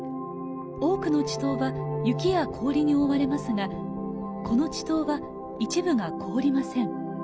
多くの池溏は雪や氷に覆われますがこの池溏は一部が凍りません。